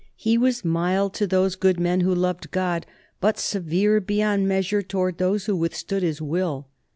He was mild to those good men who loved God, but severe beyond measure towards those who withstood his will.